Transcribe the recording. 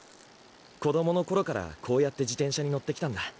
子供の頃からこうやって自転車に乗ってきたんだ。